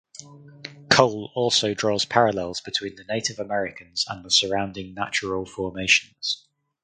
Cole also draws parallels between the Native Americans and the surrounding natural formations.